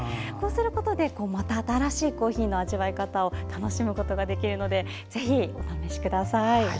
こうすることでまた新しいコーヒーの味わい方を楽しむことができるのでぜひお試しください。